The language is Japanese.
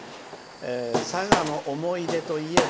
「さがの思い出といえば」。